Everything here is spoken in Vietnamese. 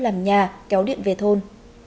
làm nhà kéo điện về thôn